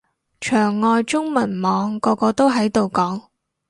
牆外中文網個個都喺度講